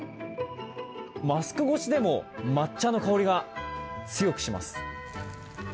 マスク越しでも抹茶の香りが強くします。